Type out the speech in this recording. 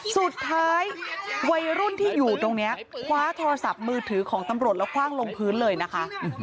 สุดท้ายวัยรุ่นที่อยู่ตรงนี้คว้าโทรศัพท์มือถือของตำรวจแล้วคว่างลงพื้นเลยนะคะ